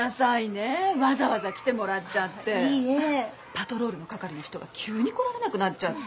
パトロールの係の人が急に来られなくなっちゃって。